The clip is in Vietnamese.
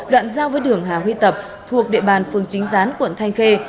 đoạn giao với đường hà huy tập thuộc địa bàn phường chính gián quận thanh khê